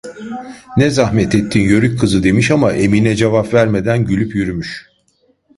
'Ne zahmet ettin, yörük kızı!' demiş, ama Emine cevap vermeden gülüp yürümüş.